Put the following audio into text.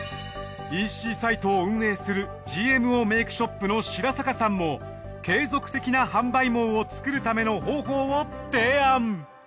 ＥＣサイトを運営するＧＭＯメイクショップの白坂さんも継続的な販売網を作るための方法を提案。